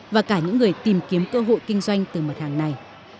và cả những người tìm kiếm cơ hội kinh doanh từ mặt hàng này